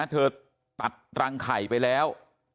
เธอตัดรังไข่ไปแล้ว